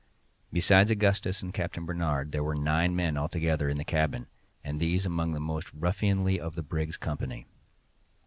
Besides Augustus and Captain Barnard, there were nine men altogether in the cabin, and these among the most ruffianly of the brig's company.